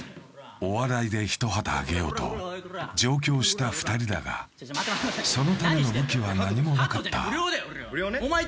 お笑いで一旗揚げようと上京した２人だが、そのための武器は何もなかった。